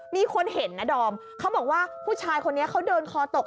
มีคนเห็นนะดอมเขาบอกว่าผู้ชายคนนี้เขาเดินคอตก